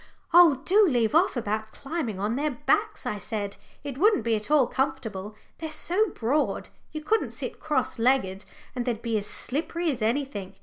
"Oh, do leave off about climbing on their backs," I said. "It wouldn't be at all comfortable they're so broad, you couldn't sit cross legs, and they'd be as slippery as anything.